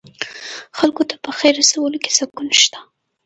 خلکو ته په خیر رسولو کې سکون شته.